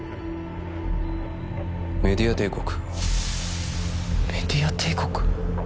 メディア帝国メディア帝国？